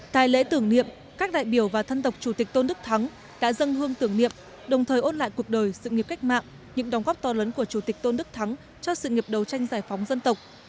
tại lễ tưởng niệm các đại biểu và thân tộc chủ tịch tôn đức thắng đã dâng hương tưởng niệm đồng thời ôn lại cuộc đời sự nghiệp cách mạng những đóng góp to lớn của chủ tịch tôn đức thắng cho sự nghiệp đấu tranh giải phóng dân tộc